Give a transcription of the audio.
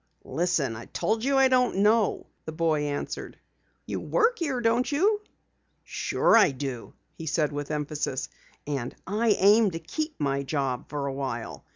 "Listen, I told you I don't know," the boy answered. "You work here, don't you?" "Sure I do," he said with emphasis. "And I aim to keep my job for awhile.